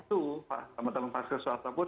itu pak sama teman pak kek suasta pun